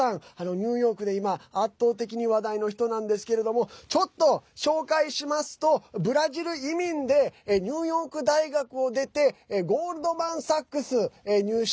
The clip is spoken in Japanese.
ニューヨークで今、圧倒的に話題の人なんですけれどもちょっと、紹介しますとブラジル移民でニューヨーク大学を出てゴールドマンサックス入社。